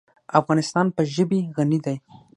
افغانستان په ژبې غني دی.